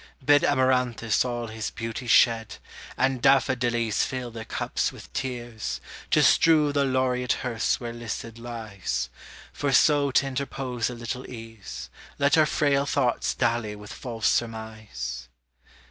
Bid Amaranthus all his beauty shed, And daffodillies fill their cups with tears, To strew the laureat hearse where Lycid lies, For so to interpose a little ease, Let our frail thoughts dally with false surmise.